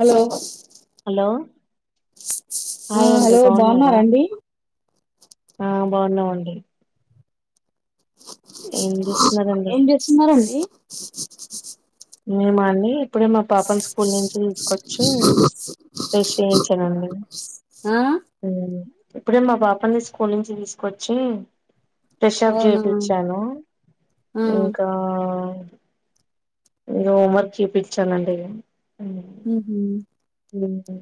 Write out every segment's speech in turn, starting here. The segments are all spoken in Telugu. హలో హలో ఆ హాయ్ అండీ హలో బాగున్నార బాగున్నారండి ఆ బాగున్నాం అండి ఏం జేస్ ఏం చేస్తున్నార్ అండి మేమా అండి ఇప్పుడే మా పాపను స్కూల్ నుంచి తీసుకోచ్ చ్చి ఫ్రెష్ చేయించానండి ఆ ఉ ఇప్పుడే మా పాపని స్కూల్ నుంచి తీసుకొచ్చి ఫ్రెష్ అప్ అవునా చేపిచ్చాను ఆ ఇంకా ఇంగ హోమ్ వర్క్ చేపిచ్చాన్ అండి ఉహు లుంటది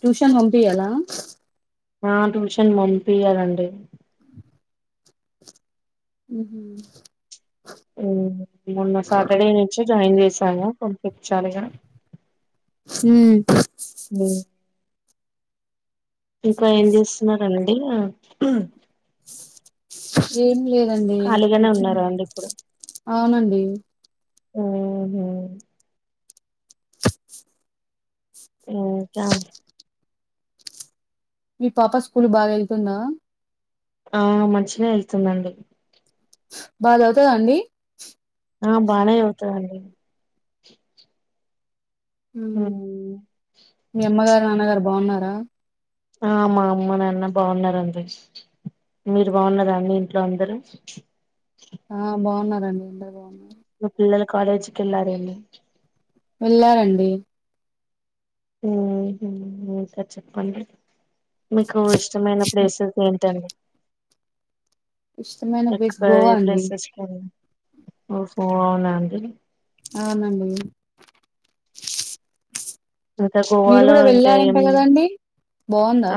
ట్యూషన్ పంపియలా ఆ ట్యూషన్ పంపియాలండి ఉహు ఉ మొన్న సాటర్డే నుంచె జాయిన్ చేశాను పంపిచ్చాలిగా హు ఉ ఇంక ఏం చేస్తున్నారండి ఆ ఏం లేదండి ఖాళీగానే కూర్చున్న ఉన్నారా అండి ఇప్పుడు అవునండి ఆహ అ చ మీ పాప స్కూల్ బాగెళ్తుందా ఆ మంచినే వెళ్తుంది అండి బాగ చదువుతదా అండి ఆ బానే చదువుతదండి ఉ మ్మ్ మీ అమ్మగారు నాన్నగారు బాగున్నార ఆ మా అమ్మ నాన్న బాగున్నార్ అండి మీరు బాగున్నరా అండి ఇంట్లో అందరు ఆ బాగున్నారండి అందరు బాగున్నారు మీ పిల్లలు కాలేజ్కి వెళ్లారేమో, వెళ్ళారండి. హుమ్ హుమ్ ఇంకా చెప్పండి. మీకు ఇష్టమైన ప్లేసెస్ ఏంటండి. ఇష్టమైన ప్లేస్ ఎక్కువ గోవా ఏ అండి ప్లేసెస్ ఇష్టపడను. అవునండి ఇంకా మీరు గోవాలో కూడా ఇంకాం వెళ్ళారంట ఎమి, కదండి బాగుందా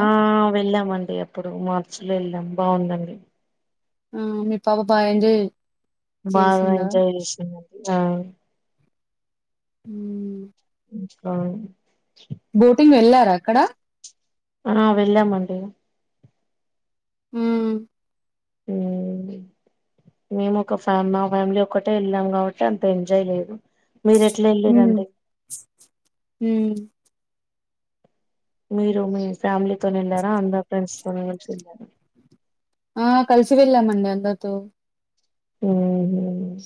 ఇప్పుడు మార్చ్ లో వెళ్ళాం బాగుందండి. ఆ మీ పాప బాగా ఎంజాయ్ బాగా చేసిందా ఎంజాయ్ చేసిందండి. ఉ అ [unintelligible] బోటింగ్ వెళ్ళారా అక్కడ, అనా వెళ్ళామండి. ఉ ఉ మేము ఒక ఫ్యా మా ఫ్యామిలీ ఒకక్కటే వెళ్ళాం కాబట్టి అంత ఎంజాయ్ లేదు. మీరు ఎట్లా వెళ్ళరండి. ఉం మీరు మీ ఫ్యామిలీతోో వెళ్ళారా అందరు ఫ్రెండ్స్ తోని కలిసి వెళ్ళారా. ఆ కలిసి వెళ్ళామండి అందరితో, హుమ్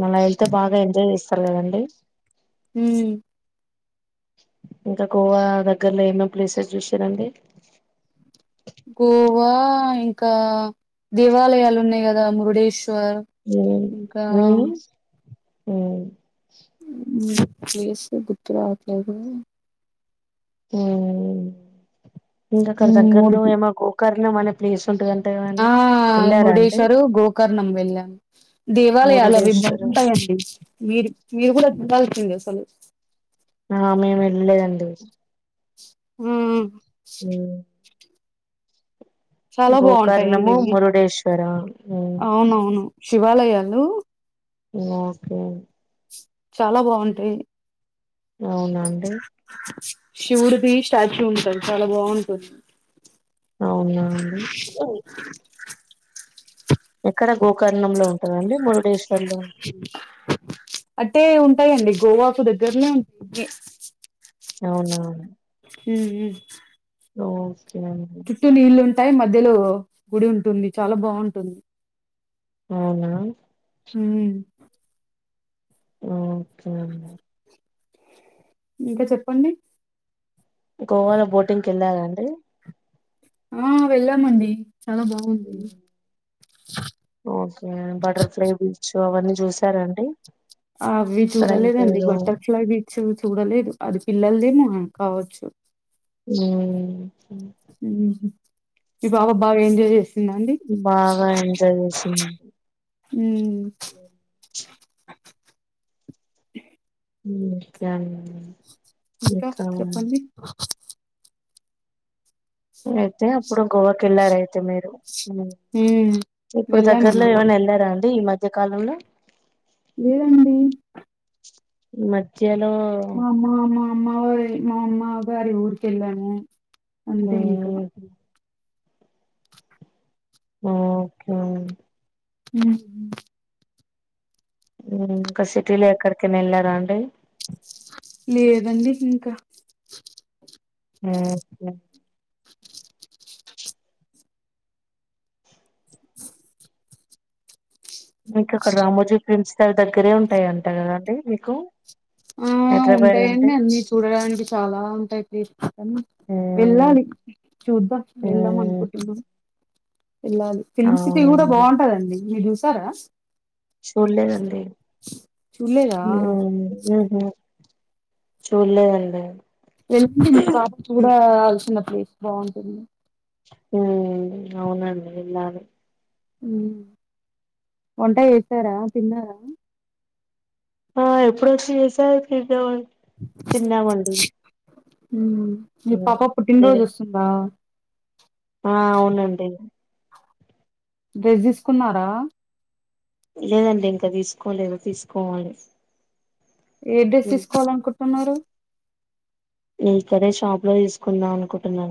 మళ వెళ్ల్తే బాగా ఎంజాయ్ చేస్తార్కదండీ. హు ఇంకా గోవా దగ్గరలో ఏమేమి ప్లేసెస్ చూసిరండి. గోవా ఇంకా దేవాలయాలు ఉన్నాయి కదా మురుడేశ్వర్, హు ఇంకా హు హు ప్లేస్ గుర్తుకు రావట్లేదు. హుమ్ ఇంకా అక్కడ హ్మ్ మురు దగ్గరలో ఏమో గోకర్ణం అనే ప్లేస్, ఉంటదంట ఆ కదండి వెళ్ళారా అండి మురుడేశ్వరు గోకర్ణం వెళ్ళాం. దేవాలయాలు అవి మురుడేశ్వర బాగుంటాయండి మీరు మీరు కూడా చూడాల్సింది అసలు, ఆ మేము వెళ్ళలేదండి. హుం ఉమ్. చాలా బాగుంటాయండి గోకర్ణము ఇవి. మురుడేశ్వర ఓకే చాలా బాగుంటాయి. అవునండి. శివుడుదిి స్టాచ్యూ ఉంటడి చాలా బాగుంటది. అవునాండి. ఎక్కడ గోకర్ణంలో ఉంటాడా మురుడేశ్వర్లో అట్టే ఉంటాయండి గోవాకు దగ్గరలే, అవునా ఉం ఉ హ ఓకే చుట్టూ నీళ్ళు ఉంటాయి మధ్యలో గుడి ఉంటుంది చాలా బాగుంటుంది. అవునా ఊ. ఓకే అండి. ఇంకా చెప్పండి. గోవాలో బోటింగ్ కేళ్ళారా అండి. ఆ వెళ్ళామండి చాలా బాగుంది. ఓకే బటర్ఫ్లై బీచ్ అవన్నీ చూసారండి. అవి అక్కడ చూడలేదండి ఇంకేదో బటర్ఫ్లైవి. చూ చూడలేదు అది పిల్లలదేమో కావచ్చు. ఊ. మీ బాబా బాగా ఎంజాయ్ చేసింద అండి. బాగా ఎంజాయ్ చేసింది. ఊ. ఊ [unintelligible] ఇంకా చెప్పండి. అయితే అప్పుడు గోవాకి వెళ్లారైతే మీరు. ఇప్పుడు దగ్గర్లో వెళ్ళానండి ఏమైనా వెళ్లారా అండి ఈ మధ్య కాలంలో. లేదండి. మధ్యలో. మా మా మా మావయ్య మా మా భార్య ఊరికి వెళ్ళాము అంతే ఇంక. మ్మ్ ఓకే. ఉమ్. ఇంకా సిటీలో ఎక్కడికైనా వెళ్లారా అండి. లేదండి ఇంకా. ఒకే. మీకు అక్కడ రామోజీ ప్రిమ్స్ స్టల్ దగ్గరే ఉంటాయింట కదా అండి మీకు. ఆ హైదరాబాద్ అంటే ఉంటాయండి అన్ని చూడడానికి చాలా ఉంటాయి తీసుకోవడాని. మ్మ్ వెళ్ళాలి చూద్దాం వెళ్దాం మ్మ్ అనుకుంటున్నాం. ఎల్లాలి ఫిల్మ్ సిటీ కూడా అవునండి బాగుంటదండి మీరు చూసారా. చూడలేదండి చూడలేదా ఏమో మరి. [unintelligible] చూల్లేదండి. వెళ్ళడి మీ పాప కూడా అల్సిన ప్లేస్ బాగుంటుంది. ఉ అవునండి వెళ్ళాలి. వంట చేస్తారా తిన్నారా. ఆ ఎప్పుడో వచ్చి చేసా తిన్నమ్ తిన్నామండి. మీ మ్మ్ పప పుట్టినరోజు నేను వస్తుందా. ఆ అవునండి. డేస్ తీసుకున్నారా. లేదండి ఇంకా తీసుకోలేదు తీసుకోవాలి. ఏ డిస్ ఉమ్. తీసుకోవాలనుకుంటున్నారు. నే ఇక్కడే షాప్ లో తీసుకుందాం అనుకుంటున్నా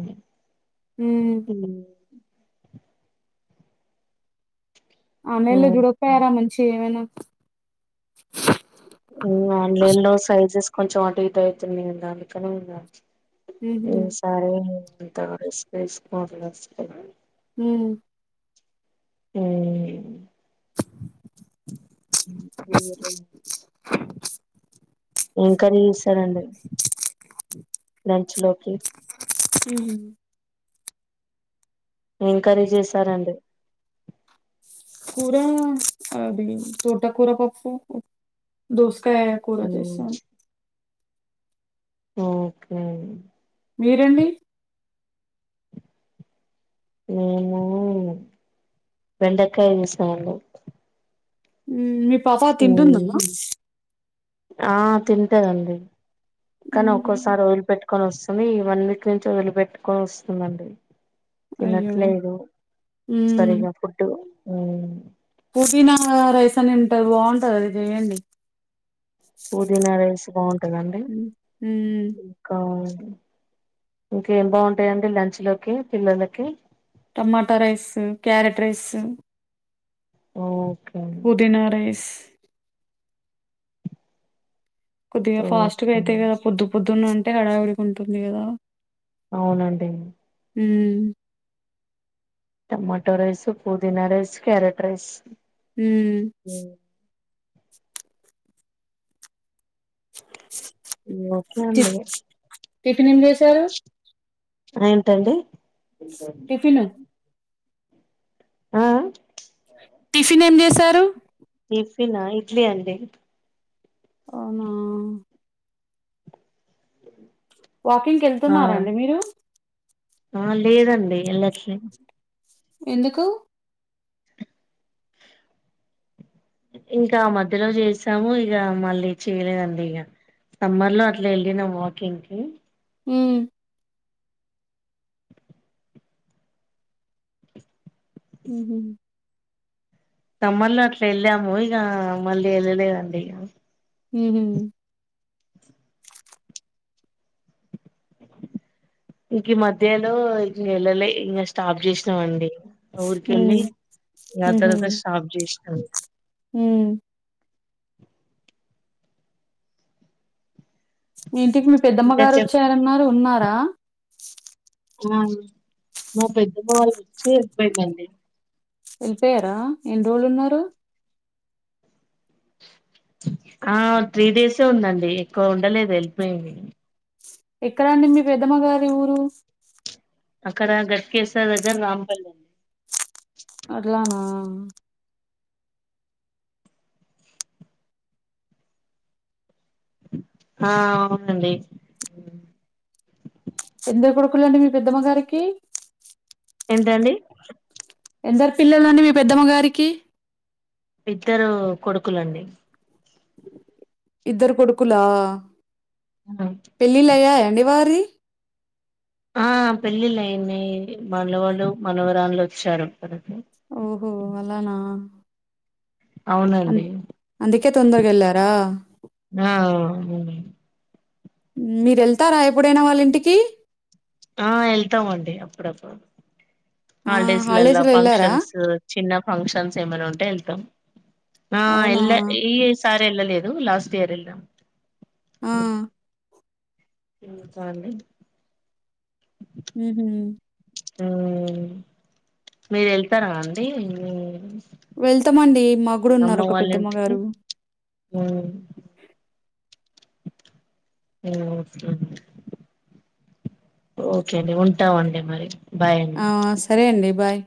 హ్మ్. ఊ. ఆన్లైన్ లో ఉమ్. చూడక పోయారా మంచి ఏమేనా. ఆన్లైన్ లో సైజెస్ కొంచెం అటు ఇటు ఐతున్నాయి గదా అందుకని ఇక. ఉహు. సరే ఇంతగా డ్రెస్ వేసుకొన్ కదా. ఊ. ఉం మీరు ఏం కర్రీ చేసారండి లంచ్లోకి ఉహుం ఏం కర్రీ చేసారండి కూరా అది తోటకూర పప్పు దోస్కాయ కూర ఉమ్, చేసాను ఓకే అండి మీరండి నేను బండకాయ చేసానండి ఉం మీ పాప తింటుందమ్మా ఉమ్, ఆ తింటదండి కానీ ఒక్కో ఉమ్ సారి ఒదిలి పెట్టుకొని వస్తుంది ఈ వన్ వీక్ నుంచి వదిలి పెట్టుకొని వస్తుందండి అయ్యో తినట్లేదు ఉమ్ సరిగ్గా ఫుడ్ పుదీనా రైస్ అని ఉంటది బాగుంటది అది చేయండి పుదీనా రైస్ బాగుంటదా అండి ఉమ్ ఉమ్, అవును ఇంకేం బాగుంటయండి లంచ్లోకి పిల్లలకి tomato rice carrot rice okay పుదీనా రైస్ కొద్దిగా ఫాస్ట్గా ఓకే ఐతైయి కద పొద్దు పొద్దున్న అంటే హడావిడిగ ఉంటుంది కదా అవునండి ఊమ్ టమాటో రైస్ పుదీనా రైస్ క్యారెట్ రైస్ ఊమ్ ఉం ఓకే టఫీ అండి టిఫిన్ ఏం చేసారు ఏంటండి టిఫిను ఆ ఆ టిఫిన్ ఏం చేసారు టిఫినా ఇడ్లీ అండి అవునా వాకింగ్ ఆ కెళ్తున్నారా అండి మీరు ఆ లేదండి ఎళ్ళట్లే ఎందుకు ఇంకా ఆ మధ్యలో చేసాము ఇగ మళ్ళీ చేయలేదండి ఇగ సమ్మర్లో అట్ల ఎల్లినం వాకింగ్కి ఉం ఉహుం సమ్మర్లో అట్ల ఎళ్ళాము ఇగ మళ్ళీ ఎళ్ళలేదండి ఇగ ఉహుం ఇంకీ మధ్యలో ఇంగ ఎళ్లలే ఇంగ స్టాప్ చేశినమండి మా ఊరికెళ్ళి ఉమ్ ఇగ ఆ తర్వాత స్టాప్ చేశినం హామ్ మీ ఇంటికి మీ ఇంకా పెద్దమ్మగారు చెప్ ఒచ్చారన్నారు ఉన్నారా ఉ మా పెద్దమ్మవాళ్ళు ఒచ్చి ఎల్పోయింది అండి వెల్పోపోయ్యారా ఎన్ రోలు ఉన్నారు ఆ త్రీ డేసే ఉందండి ఎక్వా ఉండలేదు ఎల్పాయింది. ఎక్కడ అండి మీ పెద్దమ్మ గారి ఊరు అక్కడ గట్కేశ్వర్ దగ్గర రాంపల్లి అట్లానా ఆ అవునండి. ఎందరూ కొడుకులండి మీ పెద్దమ్మ గారికి ఎంటండి ఎందరు పిల్లలండీ మీ పెద్దమ్మ గారికి ఇద్దరూ కొడుకులుండి. ఇద్దరు కొడుకులా అంతె పెళ్ళిళ్ళుయ్యాయా అండి వారియి ఆ పెళ్ళిళ్ళైనాయి మలవలు మనవరాళ్లు ఒచ్చారు తనకి ఓహో అలానా అంన్ అవునండి అందుకే తొందర్గా ఎళ్లారా ఆ అవును మీరు ఎళ్తారా ఎప్పుడైనా వాళ్ళ ఇంటికి ఆ ఎళ్తామండి అప్పుడప్పుడు ఆ! హాల్డేస్లలా హాలిడేస్‌లో ఎళ్లారా? ఫంక్షన్స్ చిన్న ఫంక్షన్స్ ఎమేనా ఉంటే ఏళ్తాం ఆ అవునా? ఎళ్ళ ఈ ఎస్ సార్ ఎళ్ళలేదు లాస్ట్ ఇయర్ ఎల్నా ఆ ఉ చాల్లే ఉహు ఊ మీరు ఎళ్తారా అండి వెళ్తామండీ మా గుడున్నారు ఒక పెద్దమ్మ గారు అ ఓహో ఓకే అండి ఉంటవండి మరి. బాయ్ అండి ఆ సరే అండి బాయ్